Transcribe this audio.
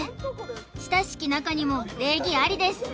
親しき仲にも礼儀ありです